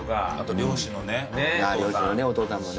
漁師のねお父さんもね。